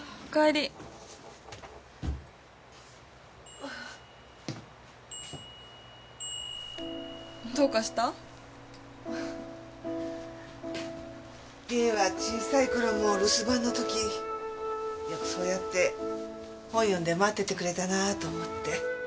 りんは小さい頃も留守番の時よくそうやって本読んで待っててくれたなぁと思って。